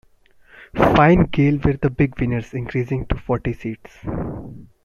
Fine Gael were the big winners increasing to forty seats.